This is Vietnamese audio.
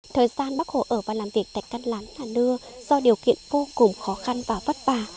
thời gian bác hồ ở và làm việc tại căn lán nà nưa do điều kiện vô cùng khó khăn và vất vả